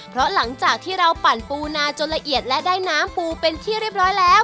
เพราะหลังจากที่เราปั่นปูนาจนละเอียดและได้น้ำปูเป็นที่เรียบร้อยแล้ว